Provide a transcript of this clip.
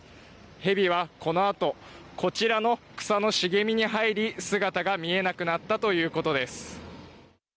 蛇はこのあとこちらの草の茂みに入り姿が見えなくなったということです。